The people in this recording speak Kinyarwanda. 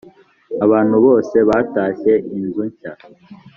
abantu bose batashye i inzu nshyashya.